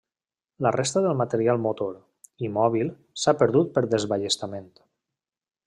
La resta del material motor i mòbil s'ha perdut per desballestament.